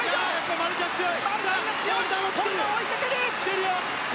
マルシャンが強い！